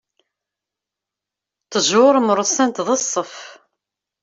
Ttjur mrussant d ṣṣeff.